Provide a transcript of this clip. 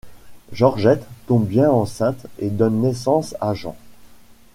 Georgette tombe bien enceinte et donne naissance à Jean.